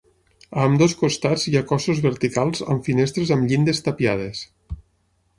A ambdós costats hi ha cossos verticals amb finestres amb llindes tapiades.